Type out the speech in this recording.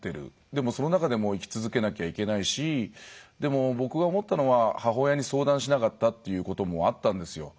でも、その中でも生き続けなきゃいけないしでも、僕が思ったのは母親に相談しなかったっていうこともあったんですよ。